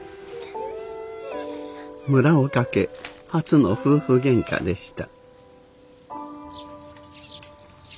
村岡家初の夫婦げんかでした。